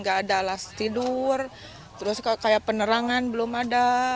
gak ada alas tidur terus kayak penerangan belum ada